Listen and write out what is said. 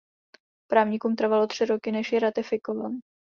Právníkům trvalo tři roky, než ji ratifikovali.